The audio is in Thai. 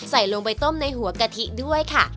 ใส่ลงไปต้มในหัวกะทิด้วยค่ะ